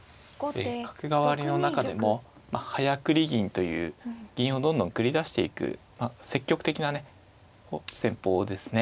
角換わりの中でも早繰り銀という銀をどんどん繰り出していく積極的なね戦法ですね。